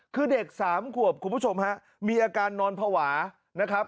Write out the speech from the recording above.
คือเด็กสามขวบคุณผู้ชมฮะมีอาการนอนภาวะนะครับ